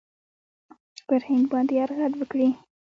پر هند باندي یرغل وکړي.